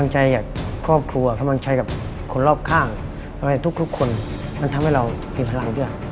จะให้ทุกคนทำให้เรานี้พลังเดือน